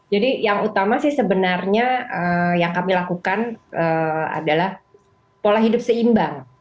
jadi yang utama sih sebenarnya yang kami lakukan adalah pola hidup seimbang